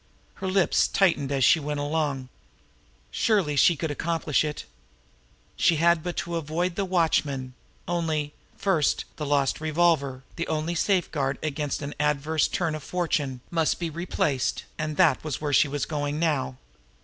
Her lips tightened as she went along. Surely she could accomplish it! She had but to evade the watchman only, first, the lost revolver, the one safeguard against an adverse turn of fortune, must be replaced, and that was where she was going now.